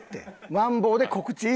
マンボで告知？